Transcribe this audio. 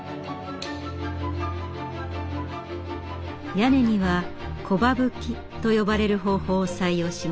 屋根には木羽葺と呼ばれる方法を採用しました。